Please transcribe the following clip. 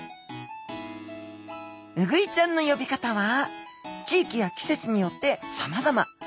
ウグイちゃんの呼び方は地域や季節によってさまざま。